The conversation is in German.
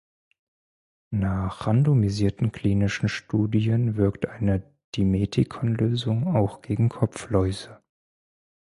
Nach randomisierten klinischen Studien wirkt eine Dimeticon-Lösung auch gegen Kopfläuse.